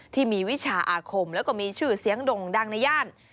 วิชาอาคมแล้วก็มีชื่อเสียงด่งดังในย่าน